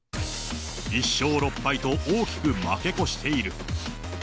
１勝６敗と大きく負け越している。